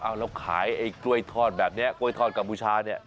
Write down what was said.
เอาแล้วขายไอ้กล้วยทอดแบบนี้กล้วยทอดกัมพูชาเนี่ย